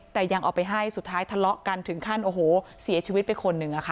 แต่ยังเอาไปให้สุดท้ายทะเลาะกันถึงขั้นโอ้โหเสียชีวิตไปคนหนึ่งอะค่ะ